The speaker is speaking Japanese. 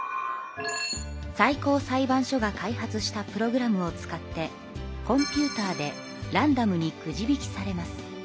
最高裁判所が開発したプログラムを使ってコンピューターでランダムにくじ引きされます。